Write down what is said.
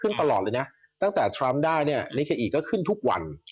ตลอดเลยนะตั้งแต่ทรัมป์ได้เนี่ยลิเคอีก็ขึ้นทุกวัน